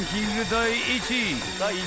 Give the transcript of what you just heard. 第１位］